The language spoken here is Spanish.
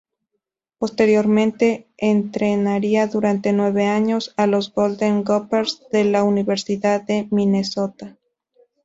Posteriormente entrenaría durante nueve años a los Golden Gophers, de la Universidad de Minnesota.